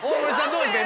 どうですか？